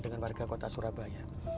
dengan warga kota surabaya